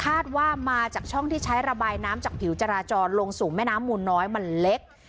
ว่ามาจากช่องที่ใช้ระบายน้ำจากผิวจราจรลงสู่แม่น้ำมูลน้อยมันเล็ก